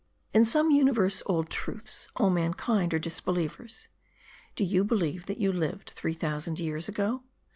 In some universe old truths, all mankind are disbelievers. Do you believe that you lived three thousand years ago